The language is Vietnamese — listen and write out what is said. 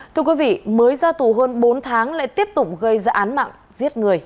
thưa quý vị mới ra tù hơn bốn tháng lại tiếp tục gây ra án mạng giết người